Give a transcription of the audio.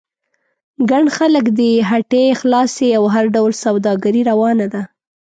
ګڼ خلک دي، هټۍ خلاصې او هر ډول سوداګري روانه ده.